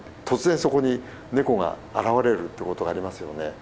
突然そこにネコが現れるってことがありますよね。